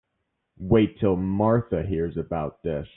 Wait till Martha hears about this.